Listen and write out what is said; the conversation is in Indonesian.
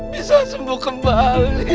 bisa sembuh kembali